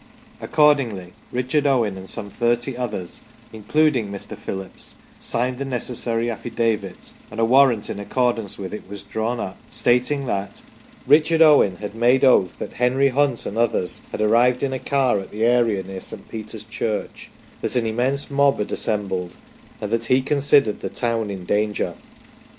Accordingly, Richard Owen and some thirty others, includ ing Mr. Phillips, signed the necessary affidavit, and a warrant in ac cordance with it was drawn up, stating that " Richard Owen had made oath that Henry Hunt and others had arrived in a car at the area near St. Peter's church, that an immense mob had assembled, and that he considered the town in danger".